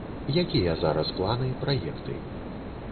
Якія зараз планы, праекты?